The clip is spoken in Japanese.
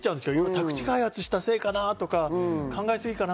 宅地開発したせいかなぁとか、考えすぎかな。